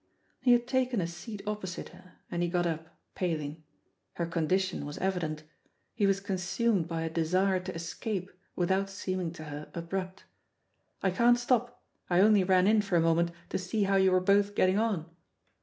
He had taken a seat opposite her, and he got up, paling. Her con dition was evident ; he was consumed by a desire to escape without seeming to her abrupt. "I can't stop — I only ran in for a moment to see how you were both getting on."